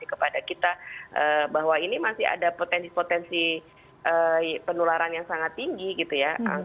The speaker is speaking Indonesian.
kepada kita bahwa ini masih ada potensi potensi penularan yang sangat tinggi gitu ya